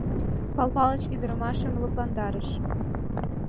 — Пал Палыч ӱдырамашым лыпландарыш.